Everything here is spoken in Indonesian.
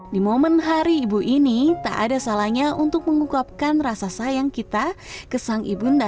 di momen hari ibu ini tak ada salahnya untuk mengucapkan rasa sayang kita kesan ibu ndak